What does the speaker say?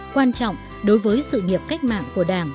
quan trọng đối với sự nghiệp cách mạng của đảng